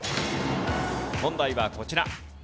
問題はこちら。